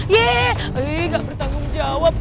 yee hei hei ga bertanggung jawab